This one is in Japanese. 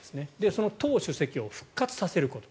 その党主席を復活させること。